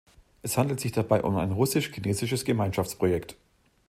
Es handelt sich dabei um ein russisch-chinesisches Gemeinschaftsprojekt.